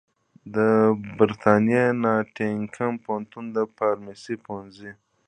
د برېتانیا ناټینګهم پوهنتون د فارمیسي پوهنځي